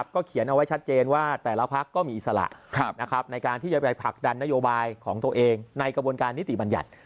ก็เขียนเอาไว้ชัดเจนว่าแต่ละพักก็มีอิสระในการที่จะไปผลักดันนโยบายของตัวเองในกระบวนการนิติบัญญัติ